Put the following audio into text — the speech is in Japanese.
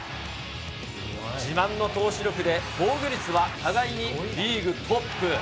自慢の投手力で、防御率は互いにリーグトップ。